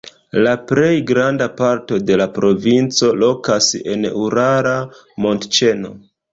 La plej granda parto de la provinco lokas en Urala montĉeno.